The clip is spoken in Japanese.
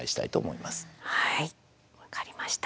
はい分かりました。